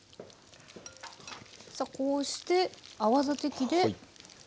さあこうして泡立て器で。